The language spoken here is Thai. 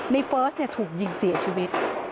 เฟิร์สถูกยิงเสียชีวิต